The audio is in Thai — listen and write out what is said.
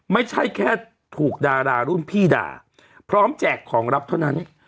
ไม่ใช่แค่ถูกดารารุ่นพี่ด่าพร้อมแจกของรับเท่านั้น